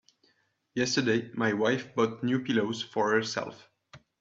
Yesterday my wife bought new pillows for herself.